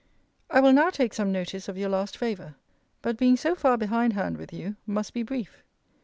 I will now take some notice of your last favour. But being so far behind hand with you, must be brief.